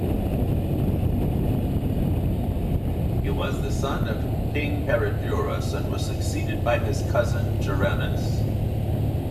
He was the son of King Peredurus and was succeeded by his cousin Gerennus.